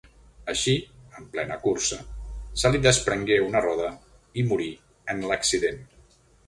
Així, en plena cursa, se li desprengué una roda i morí en l'accident.